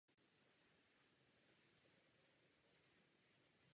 Z tohoto důvodu nemá socha žádný obličej.